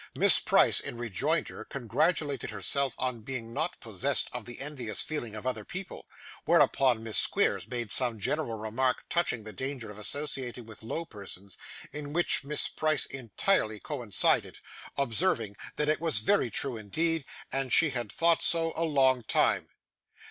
Miss Price, in rejoinder, congratulated herself upon not being possessed of the envious feeling of other people; whereupon Miss Squeers made some general remark touching the danger of associating with low persons; in which Miss Price entirely coincided: observing that it was very true indeed, and she had thought so a long time.